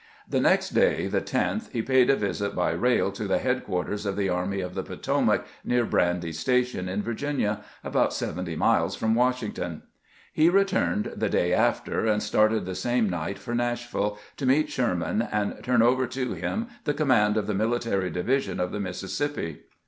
The next day, the 10th, he paid a visit by rail to the headquarters of the Army of the Potomac, near Brandy Station, in Virginia, about seventy miles from Washing ton. He returned the day after, and started the same night for Nashville, to meet Sherman and turn over to him the command of the Military Division of the Missis sippi.